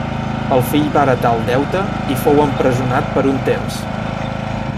El fill va heretar el deute i fou empresonat per un temps.